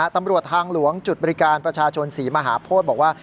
ตำรวจทางหลวงจุดบริการประชาชนศรีมหาโพธิบอกว่า